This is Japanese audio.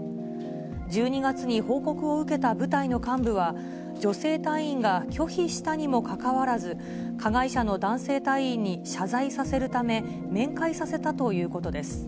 １２月に報告を受けた部隊の幹部は、女性隊員が拒否したにもかかわらず、加害者の男性隊員に謝罪させるため、面会させたということです。